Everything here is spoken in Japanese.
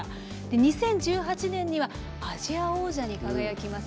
２０１８年にはアジア王者に輝きます。